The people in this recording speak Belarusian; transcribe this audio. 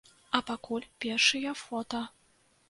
А пакуль першыя фота.